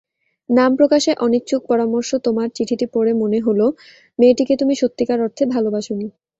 নাম প্রকাশে অনিচ্ছুকপরামর্শতোমার চিঠিটি পড়ে মনে হলো, মেয়েটিকে তুমি সত্যিকার অর্থে ভালোবাসোনি।